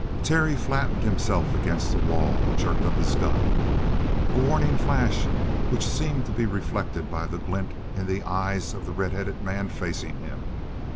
Terry flattened himself against the wall and jerked up his gun a warning flash which seemed to be reflected by the glint in the eyes of the red headed man facing him.